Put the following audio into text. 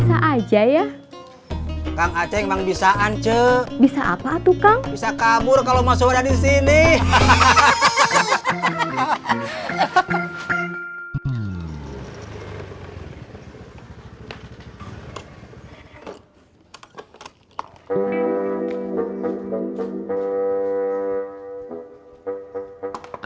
kan aja ya kang aja emang bisa ancel bisa apa tuh kang bisa kabur kalau masuknya di sini hahaha